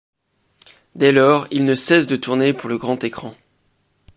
Dès lors, il ne cesse de tourner pour le grand écran.